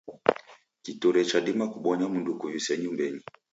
Kiture chadima kubonya mndu ukuvise nyumbenyi.